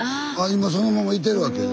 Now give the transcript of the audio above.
今そのままいてるわけや。